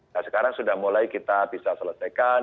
nah sekarang sudah mulai kita bisa selesaikan